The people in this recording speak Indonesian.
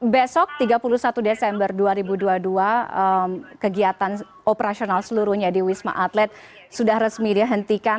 besok tiga puluh satu desember dua ribu dua puluh dua kegiatan operasional seluruhnya di wisma atlet sudah resmi dihentikan